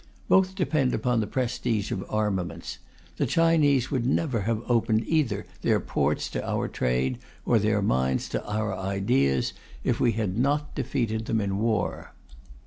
Both depend upon the prestige of armaments; the Chinese would never have opened either their ports to our trade or their minds to our ideas if we had not defeated them in war.